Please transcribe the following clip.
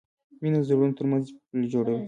مینه د زړونو ترمنځ پل جوړوي.